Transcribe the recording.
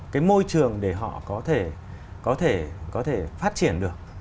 cái môi trường để họ có thể phát triển được